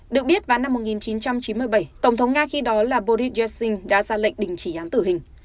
được biết vào năm một nghìn chín trăm chín mươi bảy tổng thống nga khi đó là boris jackin đã ra lệnh đình chỉ án tử hình